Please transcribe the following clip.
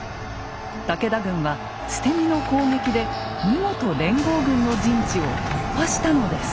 武田軍は捨て身の攻撃で見事連合軍の陣地を突破したのです。